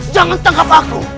jangan tangkap aku